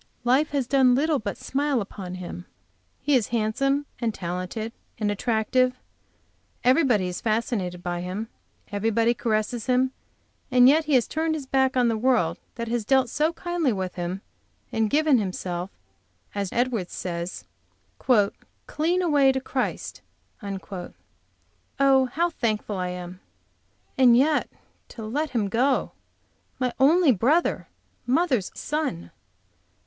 Life has done little but smile upon him; he is handsome and talented and attractive; everybody is fascinated by him, everybody caresses him; and yet he has turned his back on the world that has dealt so kindly with him, and given himself, as Edwards says, "clean away to Christ!" Oh, how thankful I am! And yet to let him go! My only brother mother's Son!